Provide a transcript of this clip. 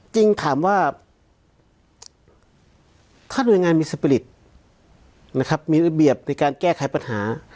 จริงถามว่าถ้าหน่วยงานมีสปริตนะครับมีระเบียบในการแก้ไขปัญหา